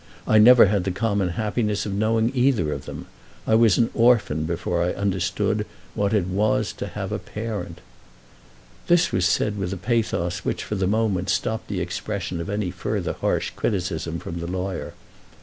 I never had the common happiness of knowing either of them. I was an orphan before I understood what it was to have a parent." This was said with a pathos which for the moment stopped the expression of any further harsh criticism from the lawyer. Mr.